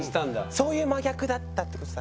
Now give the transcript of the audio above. そういう真逆だったってことだ。